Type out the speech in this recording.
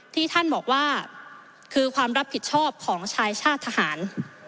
ที่ท่านบอกว่าคือความรับผิดชอบของชายชาติทหาร